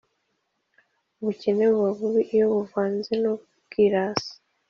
ubukene buba bubi iyo buvanze n’ubwirasi